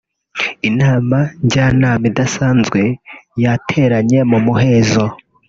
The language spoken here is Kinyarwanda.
Inama njyanama idasanzwe yateranye mu muhezo